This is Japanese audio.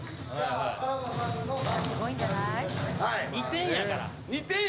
２点やから。